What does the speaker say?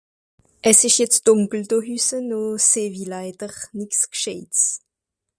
As ìsch jetz dùnkel do hüsse, no seh wi leider nix gschejds.